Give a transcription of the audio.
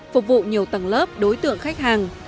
phục vụ nhiều tầng lớp đối tượng khách hàng